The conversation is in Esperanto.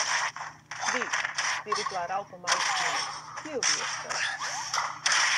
"Vi!" diris la Raŭpo malestime, "kiu vi estas?"